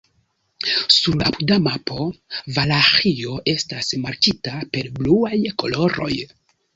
Sur la apuda mapo Valaĥio estas markita per bluaj koloroj.